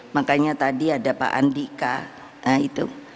makanya tadi ada pak andika nah itu